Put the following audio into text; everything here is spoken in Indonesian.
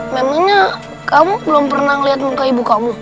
memangnya kamu belum pernah ngeliat muka ibu kamu